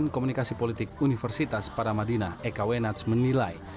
dosen komunikasi politik universitas para madinah eka wenats menilai